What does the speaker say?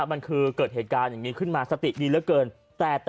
มันคือเกิดเหตุการณ์อย่างนี้ขึ้นมาสติดีเหลือเกิน